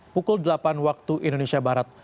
pukul delapan waktu indonesia barat